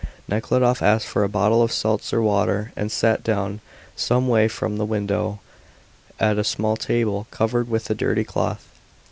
Nekhludoff asked for a bottle of seltzer water and sat down some way from the window at a small table covered with a dirty cloth.